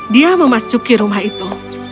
dia memasuki rumah itu